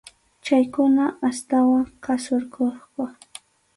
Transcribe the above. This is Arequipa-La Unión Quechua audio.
Chaykuna astawan qhasurquqku.